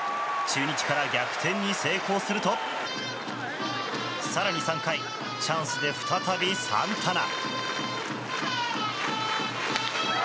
中日から逆転に成功すると更に３回チャンスで再びサンタナ。